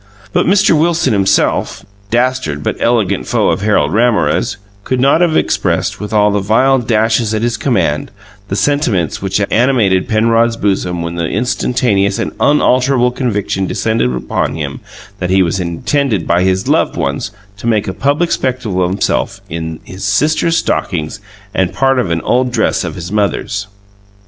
But Mr. Wilson himself, dastard but eloquent foe of Harold Ramorez, could not have expressed, with all the vile dashes at his command, the sentiments which animated Penrod's bosom when the instantaneous and unalterable conviction descended upon him that he was intended by his loved ones to make a public spectacle of himself in his sister's stockings and part of an old dress of his mother's.